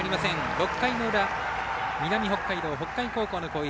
６回の裏、南北海道北海高校の攻撃。